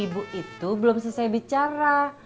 ibu itu belum selesai bicara